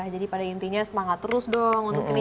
jadi pada intinya semangat terus dong untuk ini